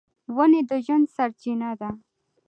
ونې د ژوند سرچینه ده.